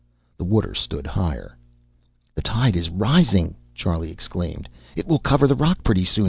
The water stood higher. "The tide is rising!" Charlie exclaimed. "It will cover the rock pretty soon.